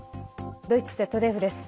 ドイツＺＤＦです。